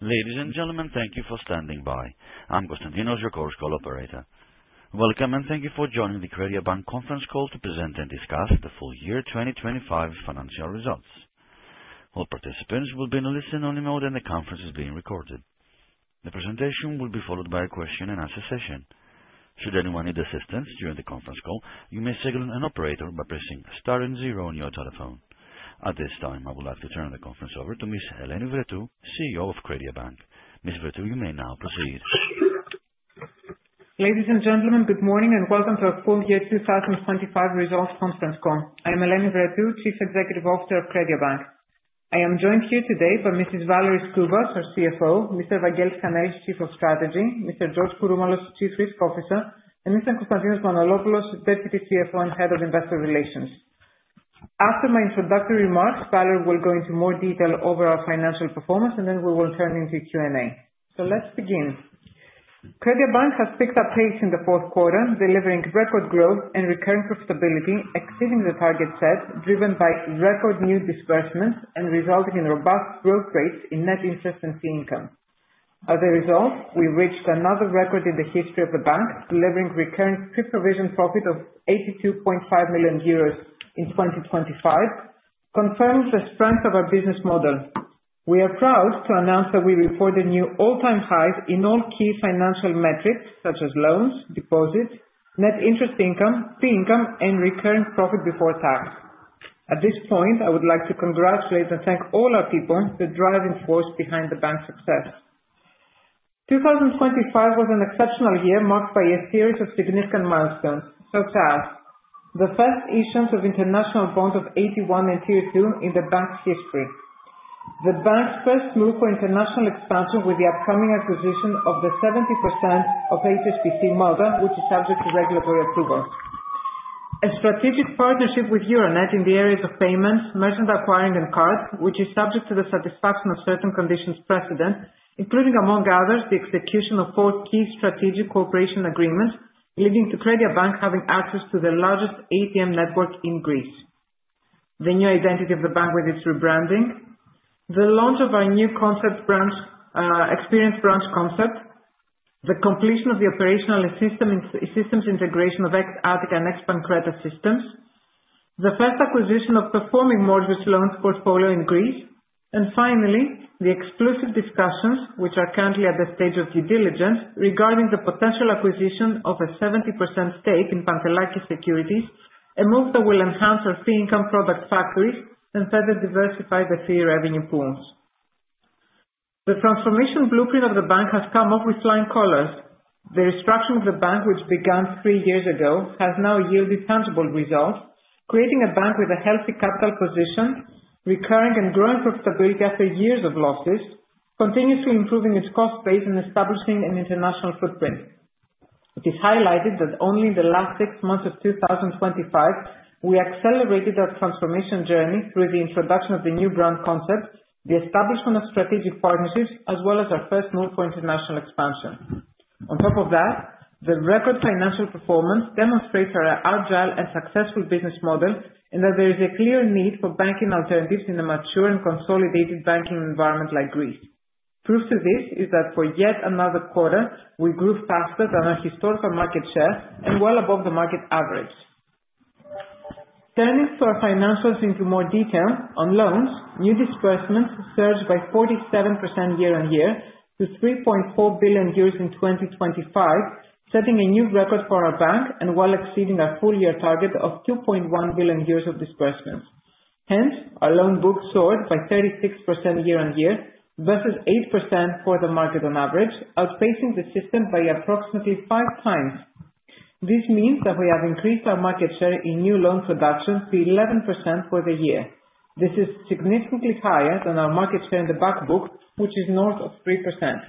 Ladies and gentlemen, thank you for standing by. I'm Constantinos, your conference call operator. Welcome, thank you for joining the CrediaBank conference call to present and discuss the full year 2025 financial results. All participants will be in a listen-only mode and the conference is being recorded. The presentation will be followed by a question and answer session. Should anyone need assistance during the conference call, you may signal an operator by pressing star and zero on your telephone. At this time, I would like to turn the conference over to Ms. Eleni Vrettou, CEO of CrediaBank. Ms. Vrettou, you may now proceed. Ladies and gentlemen, good morning and welcome to our Full Year 2025 Results conference call. I'm Eleni Vrettou, Chief Executive Officer of CrediaBank. I am joined here today by Mrs. Valerie Skoubas, our CFO, Mr. Vangelis Kanelis, Chief of Strategy, Mr. George Kouroumalos, Chief Risk Officer, and Mr. Konstantinos Manolopoulos, Deputy CFO and Head of Investor Relations. After my introductory remarks, Valerie will go into more detail over our financial performance and then we will turn into Q&A. Let's begin. CrediaBank has picked up pace in the fourth quarter, delivering record growth and recurring profitability exceeding the target set, driven by record new disbursements and resulting in robust growth rates in net interest and fee income. As a result, we reached another record in the history of the bank, delivering recurring pre-provision profit of 82.5 million euros in 2025 confirms the strength of our business model. We are proud to announce that we reported new all-time highs in all key financial metrics such as loans, deposits, net interest income, fee income, and recurring profit before tax. At this point, I would like to congratulate and thank all our people, the driving force behind the bank's success. 2025 was an exceptional year marked by a series of significant milestones, such as the first issuance of international bond of AT1 and Tier 2 in the bank's history. The bank's first move for international expansion with the upcoming acquisition of the 70% of HSBC Malta, which is subject to regulatory approval. A strategic partnership with Euronet in the areas of payments, merchant acquiring and cards, which is subject to the satisfaction of certain conditions precedent, including, among others, the execution of four key strategic cooperation agreements, leading to CrediaBank having access to the largest ATM network in Greece. The new identity of the bank with its rebranding. The launch of our new experience branch concept. The completion of the operational systems integration of ex Attica and ex Pancreta systems. The first acquisition of performing mortgage loans portfolio in Greece. Finally, the exclusive discussions, which are currently at the stage of due diligence, regarding the potential acquisition of a 70% stake in Pantelakis Securities, a move that will enhance our fee income product factories and further diversify the fee revenue pools. The transformation blueprint of the bank has come up with flying colors. The restructuring of the bank, which began three years ago, has now yielded tangible results, creating a bank with a healthy capital position, recurring and growing profitability after years of losses, continuously improving its cost base and establishing an international footprint. It is highlighted that only in the last six months of 2025, we accelerated our transformation journey through the introduction of the new brand concept, the establishment of strategic partnerships, as well as our first move for international expansion. On top of that, the record financial performance demonstrates our agile and successful business model and that there is a clear need for banking alternatives in a mature and consolidated banking environment like Greece. Proof to this is that for yet another quarter, we grew faster than our historical market share and well above the market average. Turning to our financials into more detail, on loans, new disbursements surged by 47% year-on-year to 3.4 billion euros in 2025, setting a new record for our bank and while exceeding our full year target of 2.1 billion of disbursements. Hence, our loan book soared by 36% year-on-year versus 8% for the market on average, outpacing the system by approximately 5x. This means that we have increased our market share in new loan production to 11% for the year. This is significantly higher than our market share in the back book, which is north of 3%.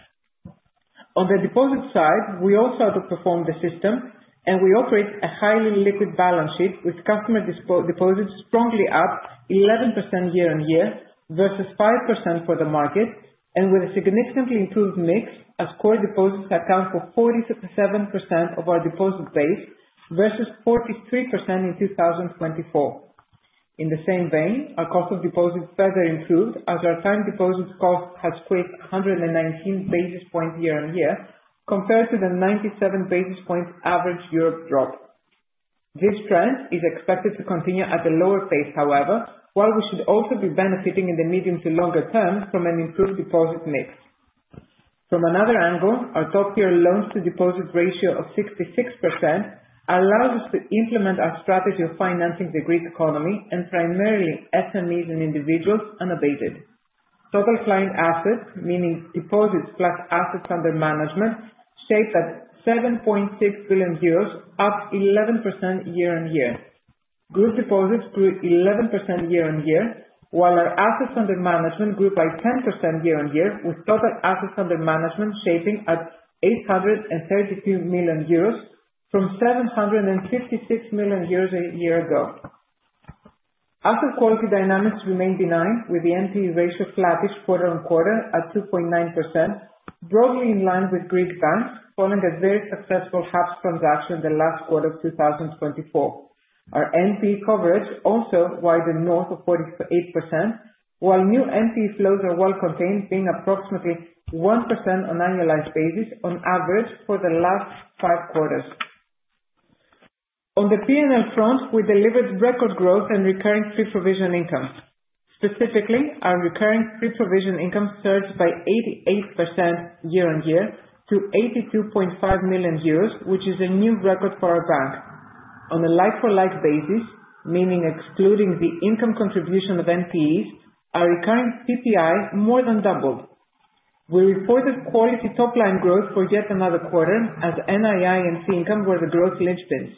On the deposit side, we also outperformed the system, and we operate a highly liquid balance sheet with customer deposits strongly up 11% year-on-year, versus 5% for the market, and with a significantly improved mix as core deposits account for 47% of our deposit base versus 43% in 2024. In the same vein, our cost of deposits further improved as our time deposits cost has grown 119 basis points year-on-year compared to the 97 basis points average year drop. This trend is expected to continue at a lower pace, however, while we should also be benefiting in the medium to longer term from an improved deposit mix. From another angle, our top tier loan to deposit ratio of 66% allows us to implement our strategy of financing the Greek economy and primarily SMEs and individuals unabated. Total client assets, meaning deposits plus assets under management, shaped at 7.6 billion euros, up 11% year-on-year. Group deposits grew 11% year-on-year, while our assets under management grew by 10% year-on-year, with total assets under management shaping at 832 million euros from 756 million euros a year ago. Asset quality dynamics remain benign, with the NPE ratio flattish quarter-on-quarter at 2.9%. Broadly in line with Greek banks following a very successful HAPS transaction in the last quarter of 2024. Our NPE coverage also widened north of 48%, while new NPE flows are well contained, being approximately 1% on annualized basis on average for the last five quarters. On the P&L front, we delivered record growth and recurring pre-provision income. Specifically, our recurring pre-provision income surged by 88% year-on-year to 82.5 million euros, which is a new record for our bank. On a like-for-like basis, meaning excluding the income contribution of NPEs, our recurring PPI more than doubled. We reported quality top line growth for yet another quarter, as NII and fee income were the growth linchpins.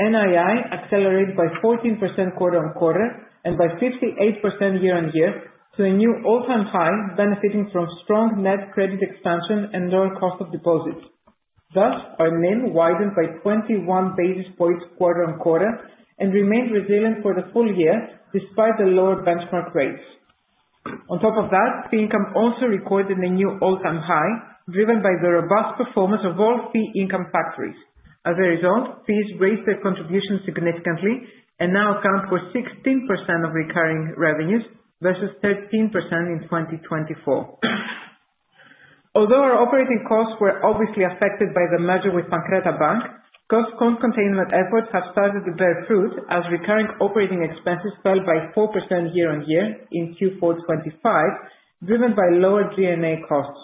NII accelerated by 14% quarter-on-quarter and by 58% year-on-year to a new all-time high, benefiting from strong net credit expansion and lower cost of deposits. Thus, our NIM widened by 21 basis points quarter-on-quarter and remained resilient for the full year despite the lower benchmark rates. On top of that, fee income also recorded a new all-time high, driven by the robust performance of all fee income factories. As a result, fees raised their contribution significantly and now account for 16% of recurring revenues versus 13% in 2024. Although our operating costs were obviously affected by the merger with Pancreta Bank, cost containment efforts have started to bear fruit as recurring operating expenses fell by 4% year-on-year in Q4 2025, driven by lower G&A costs.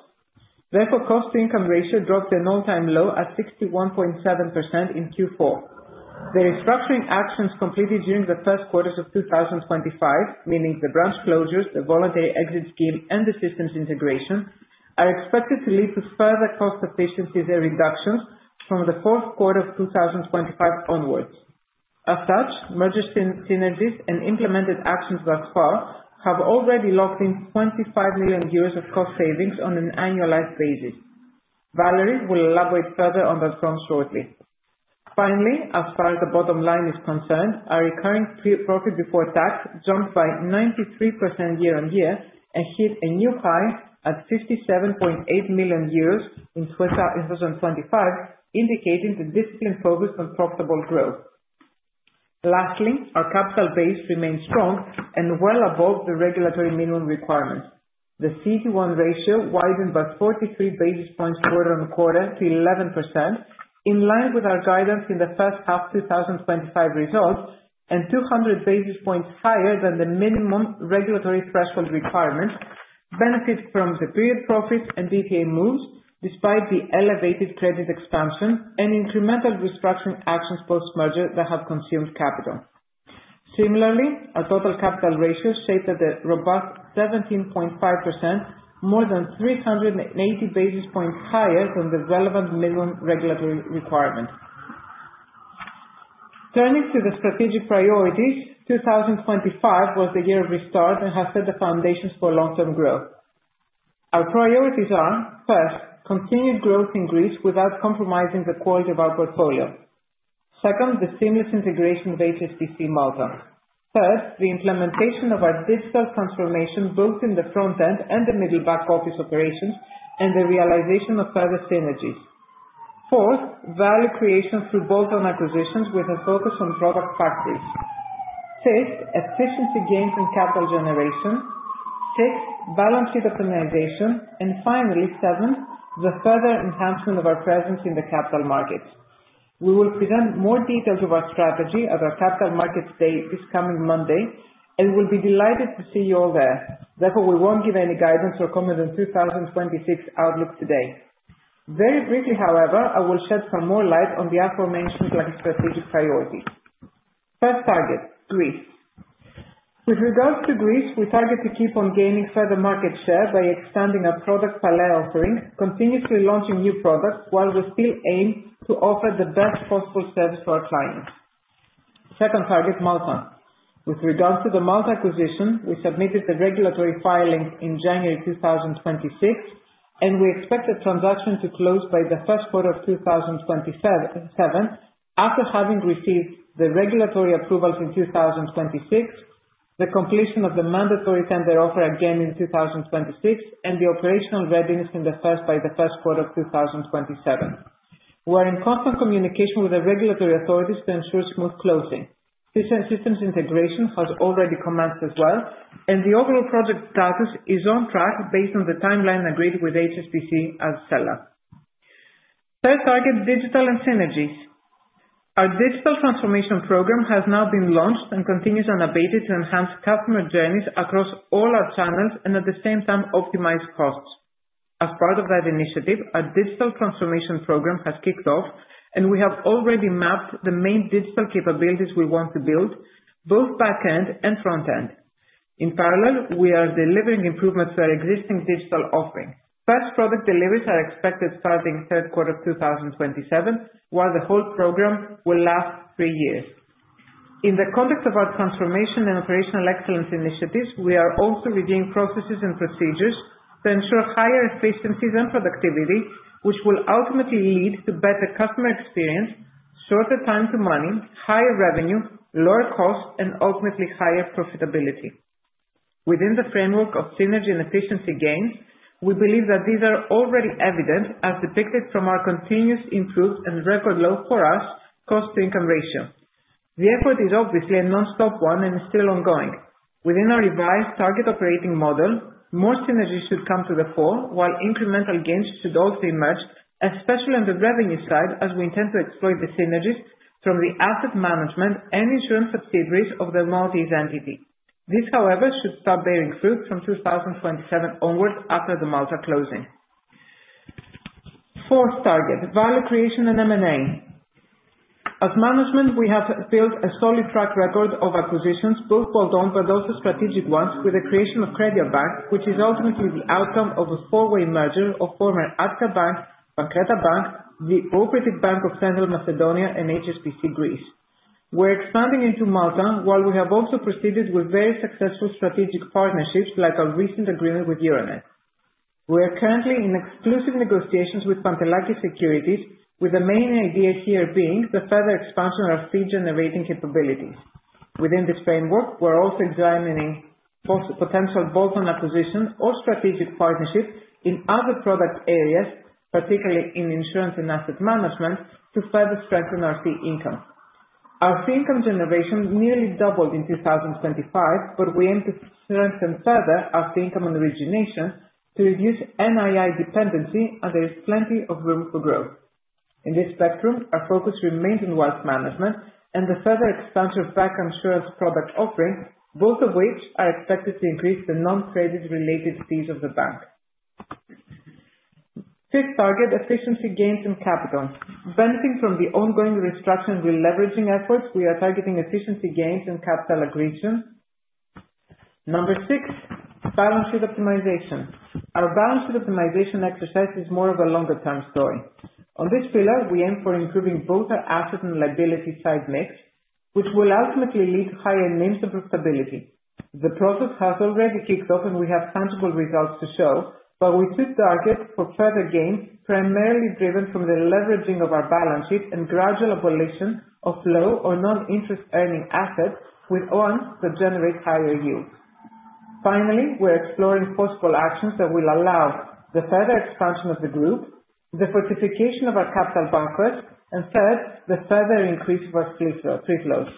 Therefore, cost-to-income ratio dropped an all-time low at 61.7% in Q4. The restructuring actions completed during the first quarter of 2025, meaning the branch closures, the voluntary exit scheme, and the systems integration, are expected to lead to further cost efficiency reductions from the fourth quarter of 2025 onwards. Merger synergies and implemented actions thus far have already locked in 25 million euros of cost savings on an annualized basis. Valerie will elaborate further on that front shortly. As far as the bottom line is concerned, our recurring pre profit before tax jumped by 93% year-on-year and hit a new high at 57.8 million euros in 2025, indicating the discipline focused on profitable growth. Lastly, our capital base remains strong and well above the regulatory minimum requirements. The CET1 ratio widened by 43 basis points quarter-on- quarter to 11%, in line with our guidance in the first half 2025 results and 200 basis points higher than the minimum regulatory threshold requirement, benefit from the period profits and DTA moves, despite the elevated credit expansion and incremental restructuring actions post-merger that have consumed capital. Similarly, our total capital ratio stayed at a robust 17.5%, more than 380 basis points higher than the relevant minimum regulatory requirement. Turning to the strategic priorities, 2025 was the year of restart and has set the foundations for long-term growth. Our priorities are, first, continued growth in Greece without compromising the quality of our portfolio. Second, the seamless integration of HSBC Bank Malta. Third, the implementation of our digital transformation, both in the front end and the middle back office operations and the realization of further synergies. Fourth, value creation through bolt-on acquisitions with a focus on product factories. Fifth, efficiency gains and capital generation. Six, balance sheet optimization, and finally, seven, the further enhancement of our presence in the capital markets. We will present more details of our strategy at our Capital Markets Day this coming Monday, and we will be delighted to see you all there. Therefore, we won't give any guidance or comment on 2026 outlook today. Very briefly, however, I will shed some more light on the aforementioned strategic priorities. First target, Greece. With regards to Greece, we target to keep on gaining further market share by expanding our product palette offering, continuously launching new products while we still aim to offer the best possible service for our clients. Second target, Malta. With regards to the Malta acquisition, we submitted the regulatory filing in January 2026, and we expect the transaction to close by the first quarter of 2027. After having received the regulatory approvals in 2026, the completion of the mandatory tender offer again in 2026, and the operational readiness by the first quarter of 2027. We're in constant communication with the regulatory authorities to ensure smooth closing. Systems integration has already commenced as well, and the overall project status is on track based on the timeline agreed with HSBC as seller. Third target, digital and synergies. Our digital transformation program has now been launched and continues unabated to enhance customer journeys across all our channels and at the same time optimize costs. As part of that initiative, our digital transformation Program has kicked off, and we have already mapped the main digital capabilities we want to build, both back end and front end. In parallel, we are delivering improvements to our existing digital offering. First product deliveries are expected starting third quarter 2027, while the whole program will last three years. In the context of our transformation and operational excellence Initiatives, we are also reviewing processes and procedures to ensure higher efficiencies and productivity, which will ultimately lead to better customer experience. Shorter time to money, higher revenue, lower cost, and ultimately higher profitability. Within the framework of synergy and efficiency gains, we believe that these are already evident as depicted from our continuous improved and record low for us cost-to-income ratio. The effort is obviously a nonstop one and is still ongoing. Within our revised target operating model, more synergies should come to the fore while incremental gains should also emerge, especially on the revenue side, as we intend to exploit the synergies from the asset management and insurance subsidiaries of the Maltese entity. This, however, should start bearing fruit from 2027 onwards after the Malta closing. Fourth target, value creation and M&A. As management, we have built a solid track record of acquisitions, both bolt-on, but also strategic ones with the creation of CrediaBank, which is ultimately the outcome of a four-way merger of former Attica Bank, Pancreta Bank, the Cooperative Bank of Central Macedonia, and HSBC Greece. We're expanding into Malta, while we have also proceeded with very successful strategic partnerships like our recent agreement with Euronet. We are currently in exclusive negotiations with Pantelakis Securities, with the main idea here being the further expansion of fee-generating capabilities. Within this framework, we are also examining potential bolt-on acquisitions or strategic partnerships in other product areas, particularly in insurance and asset management, to further strengthen our fee income. Our fee income generation nearly doubled in 2025. We aim to strengthen further our fee income and origination to reduce NII dependency, and there is plenty of room for growth. In this spectrum, our focus remains in wealth management and the further expansion of bancassurance product offerings, both of which are expected to increase the non-credit related fees of the bank. Fifth target, efficiency gains and capital. Benefiting from the ongoing restructuring and releveraging efforts, we are targeting efficiency gains and capital accretion. Number six, balance sheet optimization. Our balance sheet optimization exercise is more of a longer-term story. On this pillar, we aim for improving both our asset and liability-side mix, which will ultimately lead to higher NIM stability. The process has already kicked off, and we have tangible results to show, but we should target for further gains, primarily driven from the leveraging of our balance sheet and gradual abolition of low or non-interest-earning assets with ones that generate higher yields. Finally, we're exploring possible actions that will allow the further expansion of the group, the fortification of our capital buffers, and third, the further increase of our free float.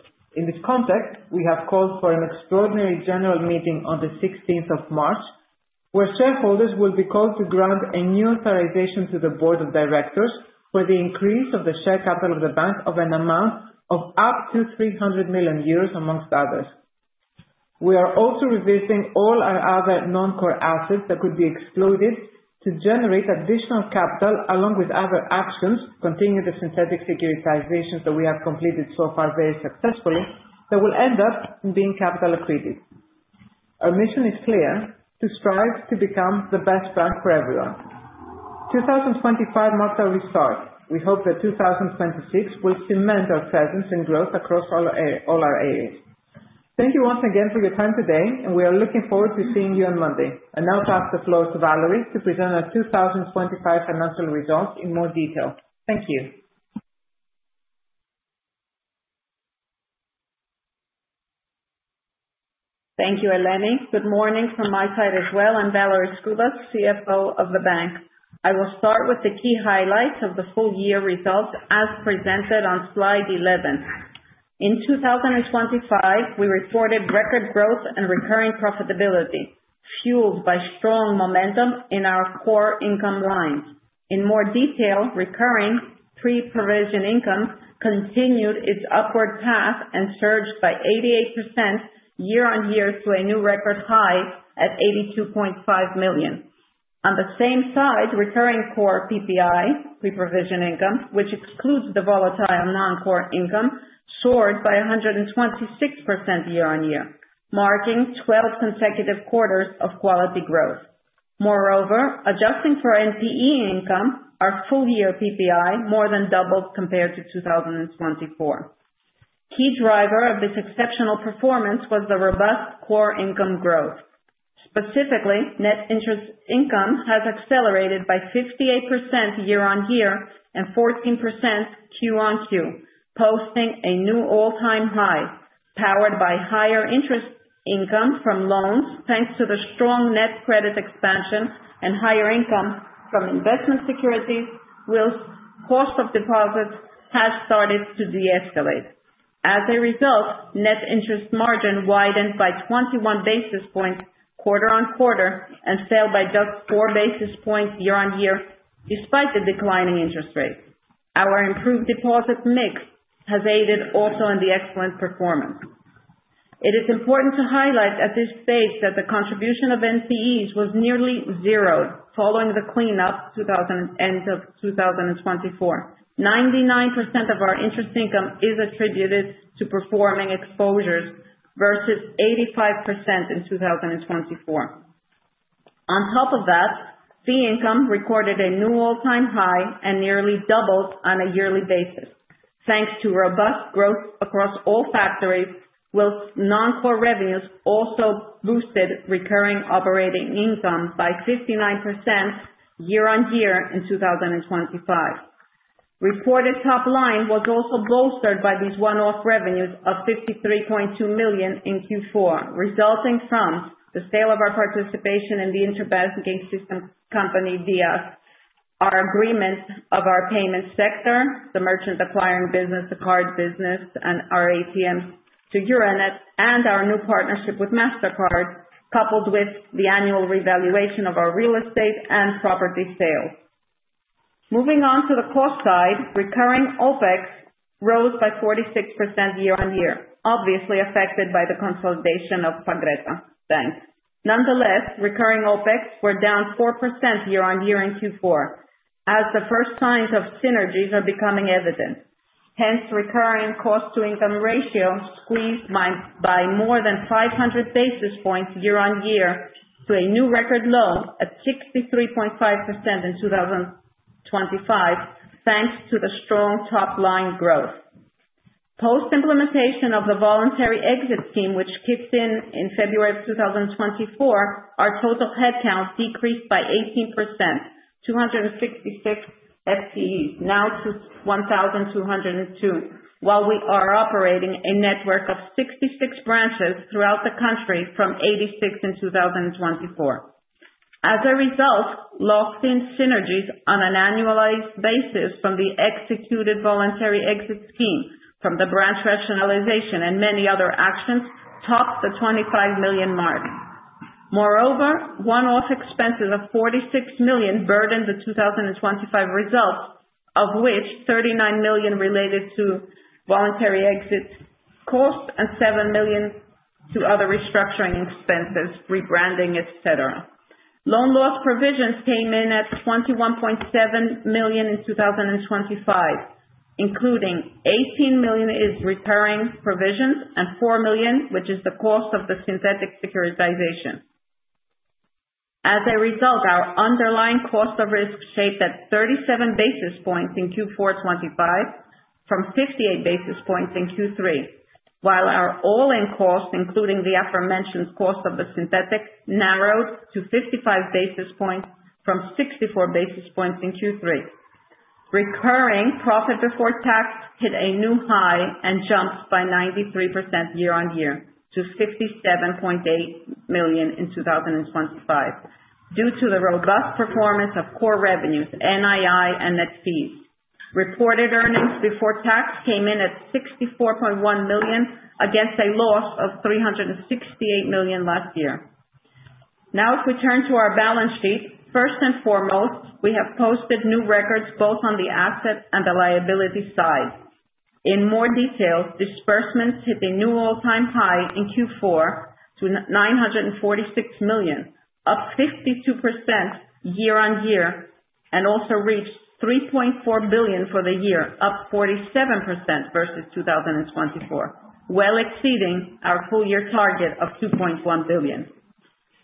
In this context, we have called for an extraordinary general meeting on the 16th of March, where shareholders will be called to grant a new authorization to the board of directors for the increase of the share capital of the bank of an amount of up to 300 million euros, amongst others. We are also revisiting all our other non-core assets that could be exploited to generate additional capital along with other actions, continue the synthetic securitizations that we have completed so far very successfully, that will end up being capital accretive. Our mission is clear: to strive to become the best bank for everyone. 2025 marked our restart. We hope that 2026 will cement our presence and growth across all our areas. Thank you once again for your time today, and we are looking forward to seeing you on Monday. I now pass the floor to Valerie to present our 2025 financial results in more detail. Thank you. Thank you, Eleni. Good morning from my side as well. I'm Valerie Skoubas, CFO of the bank. I will start with the key highlights of the full year results as presented on slide 11. In 2025, we reported record growth and recurring profitability fueled by strong momentum in our core income lines. In more detail, recurring pre-provision income continued its upward path and surged by 88% year-on-year to a new record high at 82.5 million. On the same side, recurring core PPI, pre-provision income, which excludes the volatile non-core income, soared by 126% year-on-year, marking 12 consecutive quarters of quality growth. Adjusting for NPE income, our full year PPI more than doubled compared to 2024. Key driver of this exceptional performance was the robust core income growth. Specifically, net interest income has accelerated by 58% year-on-year and 14% Q-on-Q, posting a new all-time high, powered by higher interest income from loans, thanks to the strong net credit expansion and higher income from investment securities, whilst cost of deposits has started to deescalate. As a result, net interest margin widened by 21 basis points quarter-on-quarter and fell by just 4 basis points year-on-year, despite the declining interest rates. Our improved deposit mix has aided also in the excellent performance. It is important to highlight at this stage that the contribution of NPEs was nearly zero following the clean-up end of 2024. 99% of our interest income is attributed to performing exposures versus 85% in 2024. On top of that, fee income recorded a new all-time high and nearly doubled on a yearly basis, thanks to robust growth across all factors, whilst non-core revenues also boosted recurring operating income by 59% year on year in 2025. Reported top line was also bolstered by these one-off revenues of 53.2 million in Q4, resulting from the sale of our participation in the Interbanking Systems company, DIAS, our agreement of our payment sector, the merchant acquiring business, the card business, and our ATMs to Euronet, and our new partnership with Mastercard, coupled with the annual revaluation of our real estate and property sale. Moving on to the cost side, recurring OpEx rose by 46% year on year, obviously affected by the consolidation of Pancreta Bank. Nonetheless, recurring OpEx were down 4% year-on-year in Q4, as the first signs of synergies are becoming evident. Recurring cost-to-income ratio squeezed by more than 500 basis points year-on-year to a new record low of 63.5% in 2025, thanks to the strong top-line growth. Post implementation of the voluntary exit scheme, which kicked in February 2024, our total head count decreased by 18%, 266 FTEs now to 1,202, while we are operating a network of 66 branches throughout the country from 86 in 2024. As a result, locked-in synergies on an annualized basis from the executed voluntary exit scheme from the branch rationalization and many other actions topped the 25 million mark. Moreover, one-off expenses of 46 million burdened the 2025 results, of which 39 million related to voluntary exit costs and 7 million to other restructuring expenses, rebranding, et cetera. Loan loss provisions came in at 21.7 million in 2025, including 18 million is repairing provisions and 4 million, which is the cost of the synthetic securitization. Our underlying cost of risk shaped at 37 basis points in Q4 2025 from 58 basis points in Q3, while our all-in cost, including the aforementioned cost of the synthetic, narrowed to 55 basis points from 64 basis points in Q3. Recurring profit before tax hit a new high and jumped by 93% year-on-year to 67.8 million in 2025 due to the robust performance of core revenues, NII, and net fees. Reported earnings before tax came in at 64.1 million, against a loss of 368 million last year. If we turn to our balance sheet, first and foremost, we have posted new records both on the asset and the liability side. In more detail, disbursements hit a new all-time high in Q4 to 946 million, up 52% year-on-year, and also reached 3.4 billion for the year, up 47% versus 2024, well exceeding our full year target of 2.1 billion.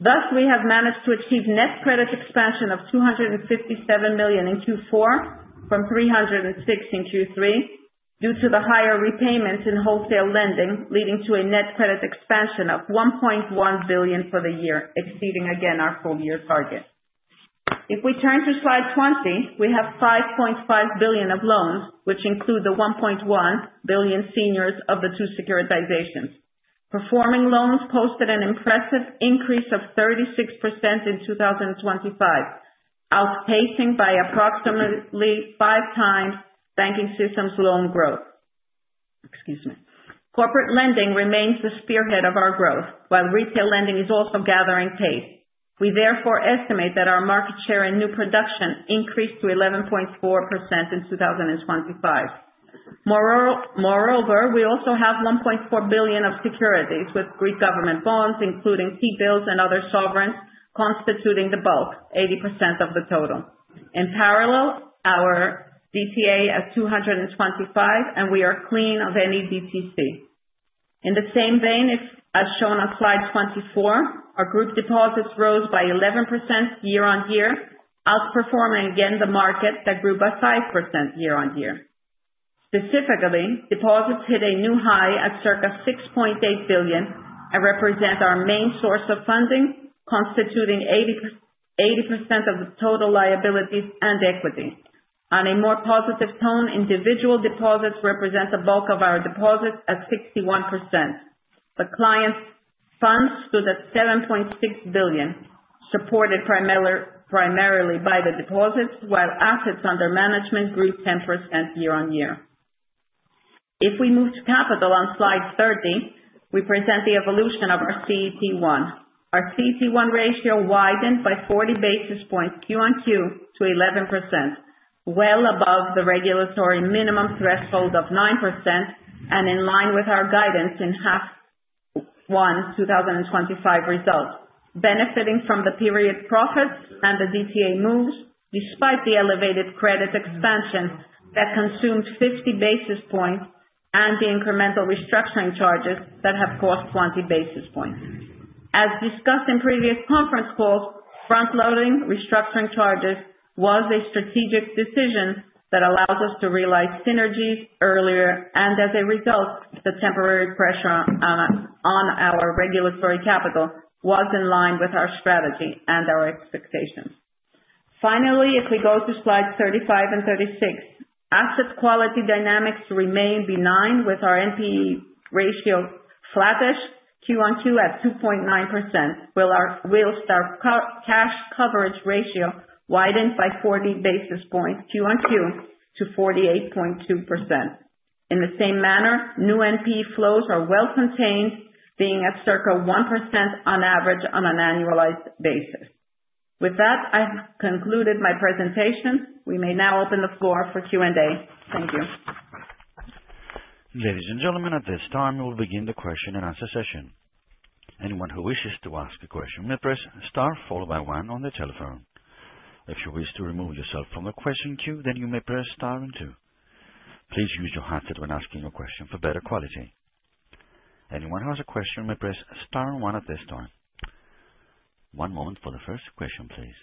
We have managed to achieve net credit expansion of 257 million in Q4 from 306 in Q3 due to the higher repayments in wholesale lending, leading to a net credit expansion of 1.1 billion for the year, exceeding again our full year target. If we turn to slide 20, we have 5.5 billion of loans, which include the 1.1 billion seniors of the two securitizations. Performing loans posted an impressive increase of 36% in 2025, outpacing by approximately 5x banking system's loan growth. Excuse me. Corporate lending remains the spearhead of our growth, while retail lending is also gathering pace. We therefore estimate that our market share in new production increased to 11.4% in 2025. Moreover, we also have 1.4 billion of securities, with Greek government bonds, including T-bills and other sovereigns, constituting the bulk, 80% of the total. In parallel, our DTA at 225, and we are clean of any DTC. In the same vein, as shown on slide 24, our group deposits rose by 11% year-on-year, outperforming again the market that grew by 5% year-on-year. Specifically, deposits hit a new high at circa 6.8 billion and represent our main source of funding, constituting 80% of the total liabilities and equity. On a more positive tone, individual deposits represent the bulk of our deposits at 61%. The client's funds stood at 7.6 billion, supported primarily by the deposits, while assets under management grew 10% year-on-year. If we move to capital on slide 30, we present the evolution of our CET1. Our CET1 ratio widened by 40 basis points Q-on-Q to 11%, well above the regulatory minimum threshold of 9% and in line with our guidance in H1 2025 results, benefiting from the period profits and the DTA moves, despite the elevated credit expansion that consumed 50 basis points and the incremental restructuring charges that have cost 20 basis points. As discussed in previous conference calls, front loading restructuring charges was a strategic decision that allows us to realize synergies earlier, and as a result, the temporary pressure on our regulatory capital was in line with our strategy and our expectations. Finally, if we go to slides 35 and 36, asset quality dynamics remain benign with our NPE ratio flattish Q-on-Q at 2.9%, while our wholesale cash coverage ratio widened by 40 basis points Q-on-Q to 48.2%. In the same manner, new NPE flows are well contained, being at circa 1% on average on an annualized basis. With that, I have concluded my presentation. We may now open the floor for Q&A. Thank you. Ladies and gentlemen, at this time, we'll begin the question-and-answer session. Anyone who wishes to ask a question may press star followed by one on the telephone. If you wish to remove yourself from the question queue, then you may press star and two. Please use your headset when asking a question for better quality. Anyone who has a question may press star and one at this time. One moment for the first question, please.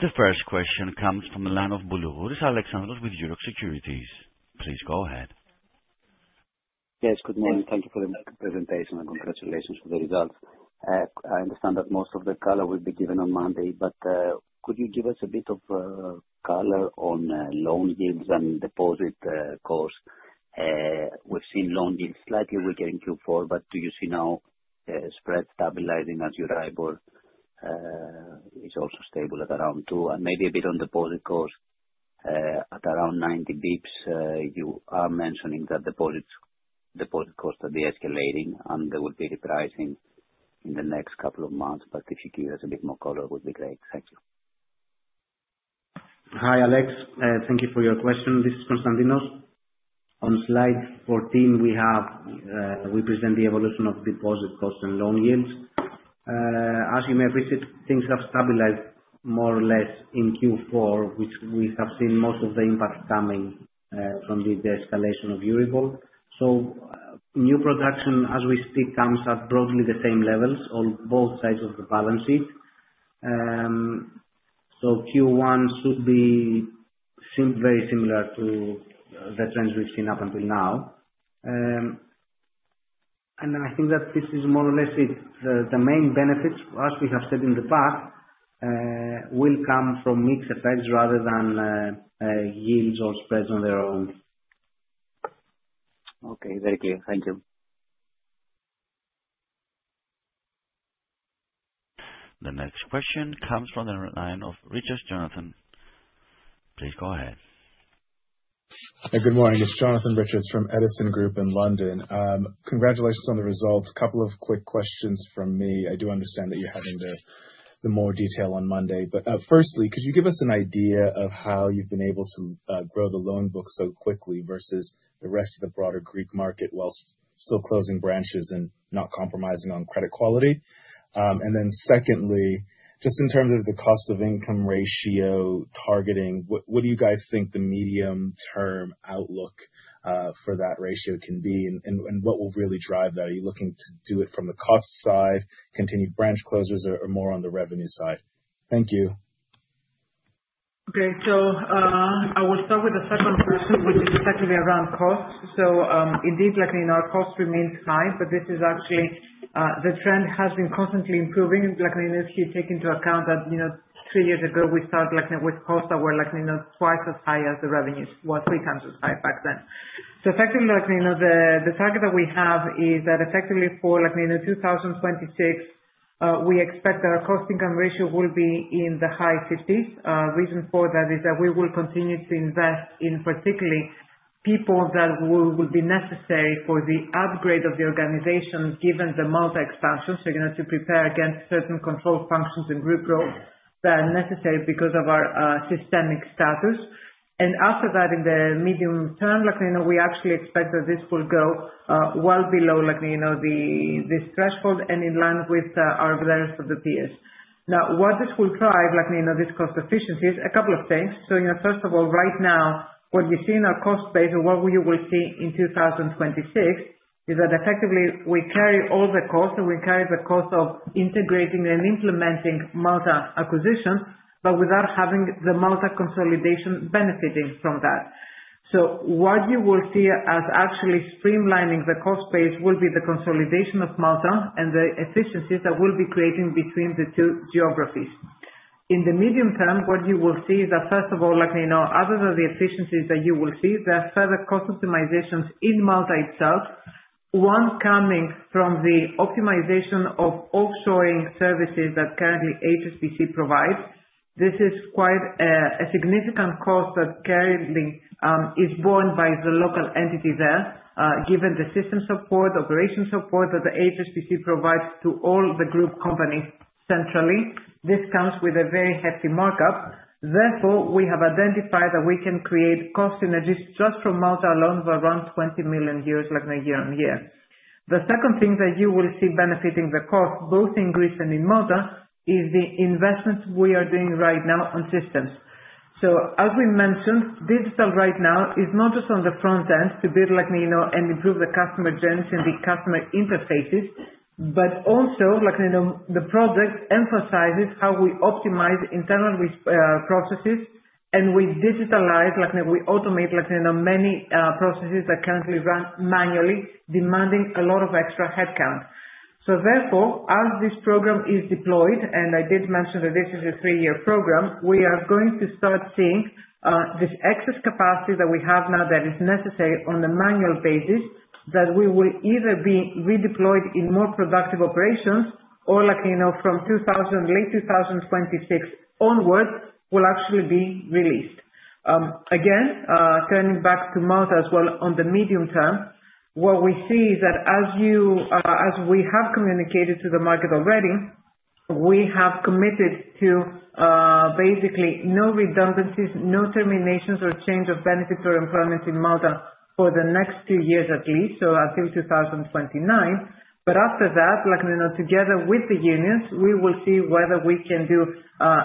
The first question comes from the line of Alexandros Boulougouris with Euroxx Securities. Please go ahead. Yes, good morning. Thank you for the presentation and congratulations for the results. I understand that most of the color will be given on Monday, but could you give us a bit of color on loan yields and deposit cost? We've seen loan yields slightly weaker in Q4, but do you see now spread stabilizing as Euribor is also stable at around 2% and maybe a bit on deposit cost, at around 90 basis points? You are mentioning that deposit cost will be escalating and there will be repricing in the next couple of months, but if you give us a bit more color, would be great. Thank you. Hi, Alex. Thank you for your question. This is Konstantinos. On slide 14, we present the evolution of deposit cost and loan yields. As you may have perceived, things have stabilized more or less in Q4, which we have seen most of the impact coming from the de-escalation of Euribor. New production as we speak comes at broadly the same levels on both sides of the balance sheet. Q1 should seem very similar to the trends we've seen up until now. I think that this is more or less it. The main benefits, as we have said in the past, will come from mixed effects rather than yields or spreads on their own. Okay, very clear. Thank you. The next question comes from the line of Jonathan Richards. Please go ahead. Hey, good morning. It's Jonathan Richards from Edison Group in London. Congratulations on the results. Couple of quick questions from me. I do understand that you're having the more detail on Monday. Firstly, could you give us an idea of how you've been able to grow the loan book so quickly versus the rest of the broader Greek market, while still closing branches and not compromising on credit quality? Secondly, just in terms of the cost-to-income ratio targeting, what do you guys think the medium-term outlook for that ratio can be and what will really drive that? Are you looking to do it from the cost side, continue branch closures or more on the revenue side? Thank you. Okay. I will start with the second question, which is exactly around cost. Indeed, our cost remains high, but this is actually the trend has been constantly improving. If you take into account that two years ago, we started with costs that were 2x as high as the revenues, were 3x as high back then. Effectively, the target that we have is that effectively for 2026, we expect our cost-to-income ratio will be in the high 50s. Reason for that is that we will continue to invest in particularly people that will be necessary for the upgrade of the organization given the Malta expansion. You're going to have to prepare against certain control functions and group growth that are necessary because of our systemic status. After that, in the medium term, we actually expect that this will go well below this threshold and in line with our peers. What this will drive, these cost efficiencies, a couple of things. First of all, right now, what you see in our cost base and what we will see in 2026 is that effectively we carry all the cost and we carry the cost of integrating and implementing Malta acquisition, but without having the Malta consolidation benefiting from that. What you will see as actually streamlining the cost base will be the consolidation of Malta and the efficiencies that we'll be creating between the two geographies. In the medium term, what you will see is that, first of all, other than the efficiencies that you will see, there are further cost optimizations in Malta itself. Coming from the optimization of offshoring services that currently HSBC provides. This is quite a significant cost that currently is borne by the local entity there, given the system support, operation support that HSBC provides to all the group companies centrally. This comes with a very hefty markup. Therefore, we have identified that we can create cost synergies just from Malta alone of around 20 million euros year-on-year. The second thing that you will see benefiting the cost, both in Greece and in Malta, is the investments we are doing right now on systems. As we mentioned, digital right now is not just on the front end to build and improve the customer journey and the customer interfaces, but also the project emphasizes how we optimize internal risk processes, and we digitalize, we automate many processes that currently run manually, demanding a lot of extra headcount. Therefore, as this program is deployed, and I did mention that this is a three-year program, we are going to start seeing this excess capacity that we have now that is necessary on a manual basis, that will either be redeployed in more productive operations or from late 2026 onwards, will actually be released. Turning back to Malta as well, on the medium term, what we see is that as we have communicated to the market already, we have committed to basically no redundancies, no terminations or change of benefits or employment in Malta for the next two years at least, so until 2029. After that, together with the unions, we will see whether we can do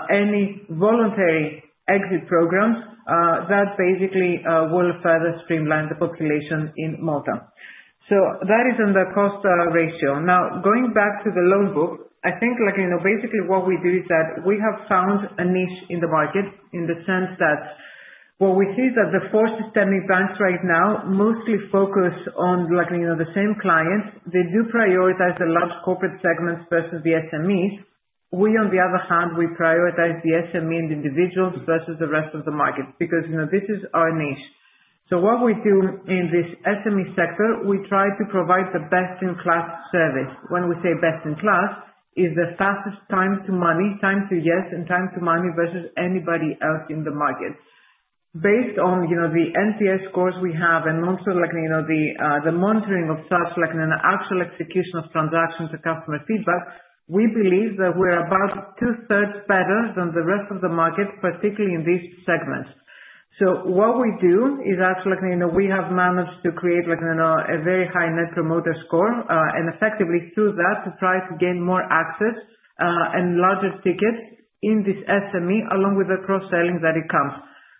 any voluntary exit programs that basically will further streamline the population in Malta. That is on the cost ratio. Going back to the loan book, I think basically what we do is that we have found a niche in the market in the sense that what we see is that the four systemic banks right now mostly focus on the same clients. They do prioritize the large corporate segments versus the SMEs. We, on the other hand, we prioritize the SME and individuals versus the rest of the market because this is our niche. What we do in this SME sector, we try to provide the best-in-class service. When we say best-in-class, it's the fastest time to money, time to yes, and time to money versus anybody else in the market. Based on the NPS scores we have and also the monitoring of such, like an actual execution of transaction to customer feedback, we believe that we're about 2/3 better than the rest of the market, particularly in these segments. What we do is actually, we have managed to create a very high Net Promoter Score, and effectively through that, to try to gain more access and larger tickets in this SME, along with the cross-selling that it comes.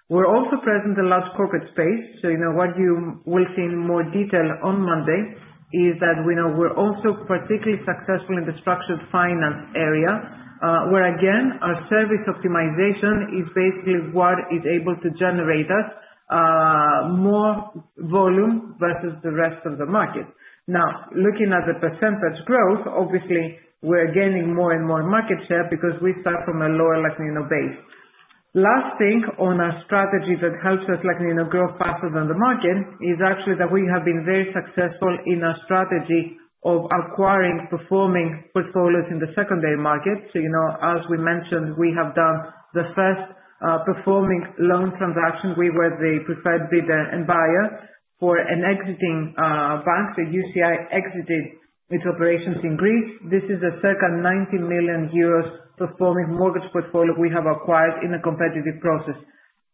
We're also present in the large corporate space. What you will see in more detail on Monday is that we're also particularly successful in the structured finance area, where again, our service optimization is basically what is able to generate us more volume versus the rest of the market. Now, looking at the percentage growth, obviously, we're gaining more and more market share because we start from a lower base. Last thing on our strategy that helps us grow faster than the market, is actually that we have been very successful in our strategy of acquiring performing portfolios in the secondary market. As we mentioned, we have done the first performing loan transaction. We were the preferred bidder and buyer for an exiting bank. UCI exited its operations in Greece. This is a circa 90 million euros performing mortgage portfolio we have acquired in a competitive process.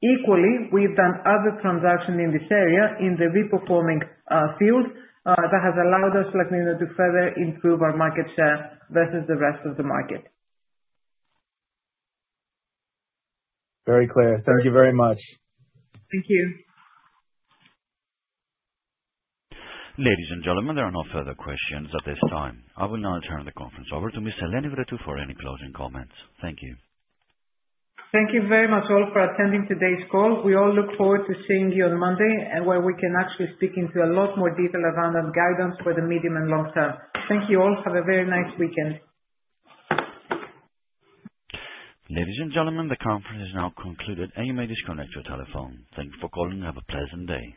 Equally, we've done other transaction in this area in the re-performing field that has allowed us, let me know, to further improve our market share versus the rest of the market. Very clear. Thank you very much. Thank you. Ladies and gentlemen, there are no further questions at this time. I will now turn the conference over to Ms. Eleni Vrettou for any closing comments. Thank you. Thank you very much all for attending today's call. We all look forward to seeing you on Monday and where we can actually speak into a lot more detail around our guidance for the medium and long term. Thank you all. Have a very nice weekend. Ladies and gentlemen, the conference is now concluded, and you may disconnect your telephone. Thank you for calling. Have a pleasant day.